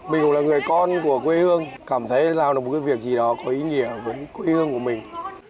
mình là người con của quê hương cảm thấy làm được một cái việc gì đó có ý nghĩa với quê hương của mình